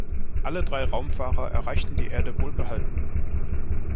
Alle drei Raumfahrer erreichten die Erde wohlbehalten.